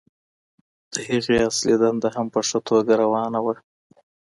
د هغې اصلي دنده هم په ښه توګه روانه وه.